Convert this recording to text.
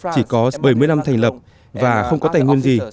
chỉ có bảy mươi năm thành lập và không có tài nguyên gì